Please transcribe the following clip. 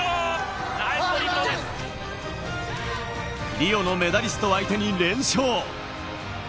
リオのメダリスト相手に連勝。